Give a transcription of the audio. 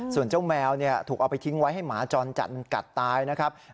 ส่วนเจ้าแมวถูกเอาไปทิ้งไว้ให้หมาจรจัดมันกัดตายนะครับ